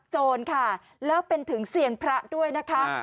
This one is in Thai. โจรค่ะแล้วเป็นถึงเซียนพระด้วยนะคะ